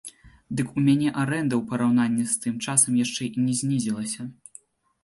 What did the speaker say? Дык у мяне арэнда ў параўнанні з тым часам яшчэ і знізілася!